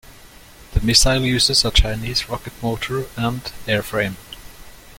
The missile uses a Chinese rocket motor and airframe.